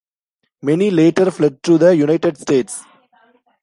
Many later fled to the United States.